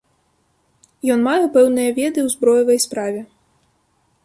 Ён мае пэўныя веды ў зброевай справе.